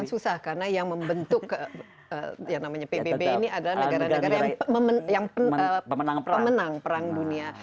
susah karena yang membentuk yang namanya pbb ini adalah negara negara yang pemenang perang dunia